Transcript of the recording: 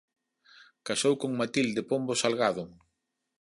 Casou con Matilde Pombo Salgado.